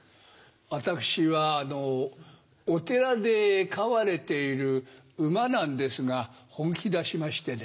私はお寺で飼われているウマなんですが本気出しましてね。